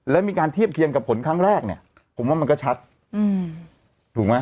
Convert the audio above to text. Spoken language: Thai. แล้วมีการเทียบเคียงกับผลครั้งแรกเนี่ยผมว่ามันก็ชัดถูกไหม